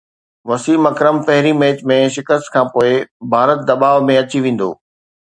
وسيم اڪرم پهرين ميچ ۾ شڪست کانپوءِ ڀارت دٻاءُ ۾ اچي ويندو